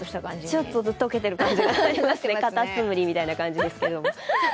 ちょっと溶けてる感じがありますね、カタツムリみたいな感じですけど。